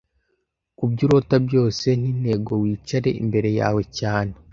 Kubyo urota byose n'intego wicare imbere yawe cyane.